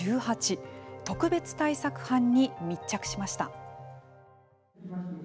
特別対策班に密着しました。